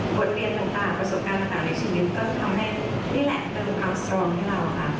เรียนต่างประสบการณ์ต่างในชีวิตก็ทำให้นี่แหละเป็นความสตรองให้เราค่ะ